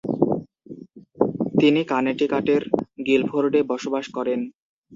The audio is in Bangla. তিনি কানেটিকাটের গিলফোর্ডে বসবাস করেন।